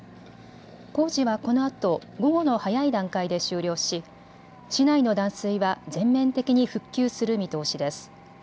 工事はこのあと午後の早い段階で終了し市内の断水は全面的に復旧する見通しです。